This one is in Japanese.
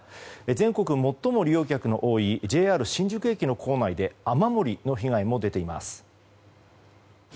全国で最も利用客の多いＪＲ新宿駅の構内で雨漏りの被害も出ています。